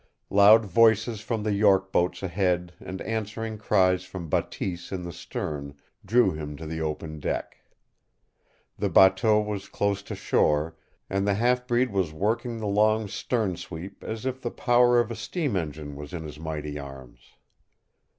Loud voices from the York boats ahead and answering cries from Bateese in the stern drew him to the open deck. The bateau was close to shore, and the half breed was working the long stern sweep as if the power of a steam engine was in his mighty arms.